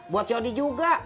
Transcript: buat si odi juga